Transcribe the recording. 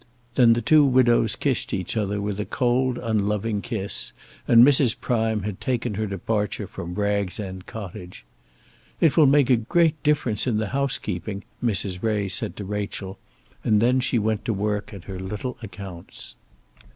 Then the two widows kissed each other with a cold unloving kiss, and Mrs. Prime had taken her departure from Bragg's End Cottage. "It will make a great difference in the housekeeping," Mrs. Ray said to Rachel, and then she went to work at her little accounts.